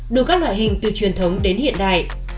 đủ các loại hình từ truyền thống đến hiện đại